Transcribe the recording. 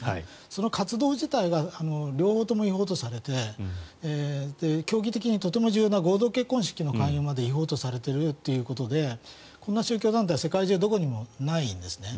その活動自体が両方とも違法とされて教義的にとても重要な合同結婚式の勧誘まで違法とされているということでこんな宗教団体世界中どこにもないんですね。